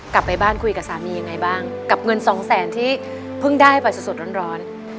กลับไปบ้านคุยกับสามียังไงบ้างกับเงินสองแสนที่เพิ่งได้ไปสดร้อน